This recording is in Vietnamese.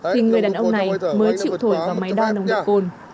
thì người đàn ông này mới chịu thổi vào máy đo nồng độ cồn